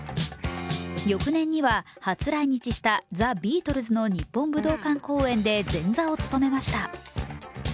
翌年には、初来日したザ・ビートルズの日本公演の前座を務めました。